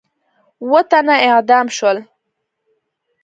اووه تنه اعدام شول.